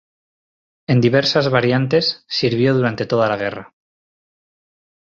En diversas variantes, sirvió durante toda la guerra.